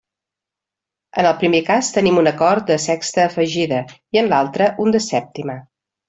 En el primer cas tenim un acord de sexta afegida, i en l'altre un de sèptima.